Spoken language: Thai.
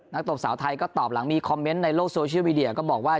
ตบสาวไทยก็ตอบหลังมีคอมเมนต์ในโลกโซเชียลมีเดียก็บอกว่า